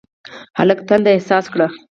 هلک تنده احساس کړه.